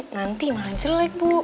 nanti malah jelek bu